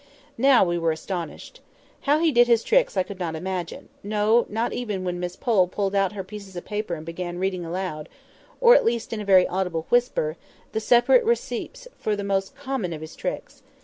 Now we were astonished. How he did his tricks I could not imagine; no, not even when Miss Pole pulled out her pieces of paper and began reading aloud—or at least in a very audible whisper—the separate "receipts" for the most common of his tricks.